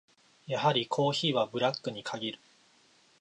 やはりコーヒーはブラックに限る。